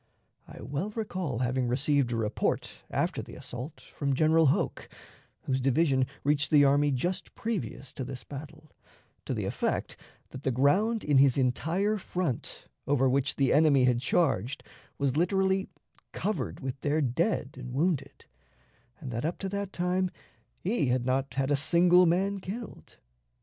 I well recall having received a report, after the assault, from General Hoke whose division reached the army just previous to this battle to the effect that the ground in his entire front, over which the enemy had charged, was literally covered with their dead and wounded; and that up to that time he had not had a single man killed.